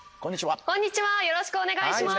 よろしくお願いします